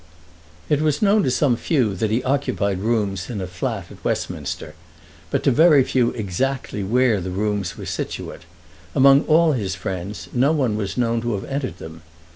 It was known to some few that he occupied rooms in a flat at Westminster, but to very few exactly where the rooms were situate. Among all his friends no one was known to have entered them.